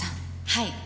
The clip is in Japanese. はい。